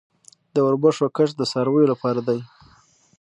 د وربشو کښت د څارویو لپاره دی